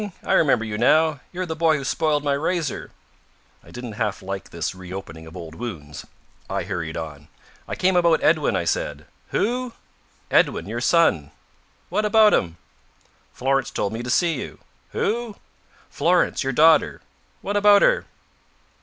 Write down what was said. I remember you now. You're the boy who spoiled my razor." I didn't half like this reopening of old wounds. I hurried on. "I came about Edwin," I said. "Who?" "Edwin. Your son." "What about him?" "Florence told me to see you." "Who?" "Florence. Your daughter." "What about her?"